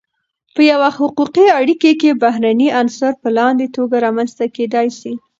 په یوه حقوقی اړیکی کی بهرنی عنصر په لاندی توګه رامنځته کیدای سی :